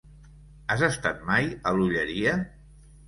Has estat mai a l'Olleria?